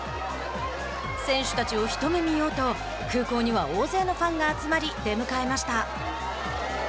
選手たちを一目見ようと空港には大勢のファンが集まり出迎えました。